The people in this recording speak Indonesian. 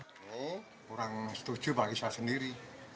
kurang setuju bagi saya sendiri